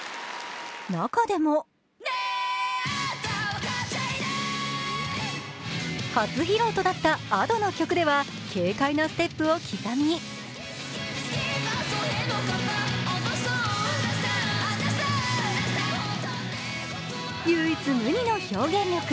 中でも初披露となったＡｄｏの曲では、軽快なステップを刻み唯一無二の表現力。